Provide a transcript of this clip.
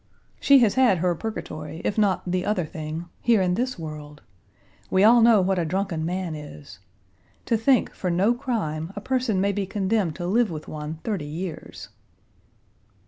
She has had her purgatory, if not 'the other thing,' here in this world. We all know what a drunken man is. To think, for no crime, a person Page 116 may be condemned to live with one thirty years."